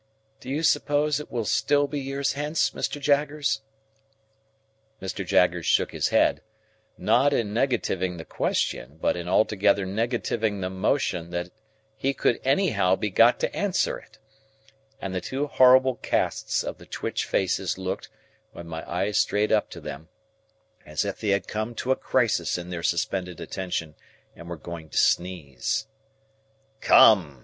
"Do you suppose it will still be years hence, Mr. Jaggers?" Mr. Jaggers shook his head,—not in negativing the question, but in altogether negativing the notion that he could anyhow be got to answer it,—and the two horrible casts of the twitched faces looked, when my eyes strayed up to them, as if they had come to a crisis in their suspended attention, and were going to sneeze. "Come!"